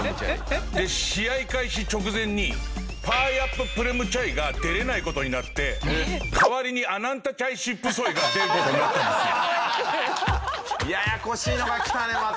試合開始直前にパーヤッププレムチャイが出れない事になって代わりにアナンタチャイシップソイが出る事になったんですよ。